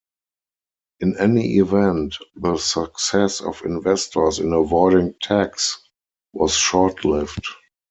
In any event, the success of investors in avoiding tax was short lived.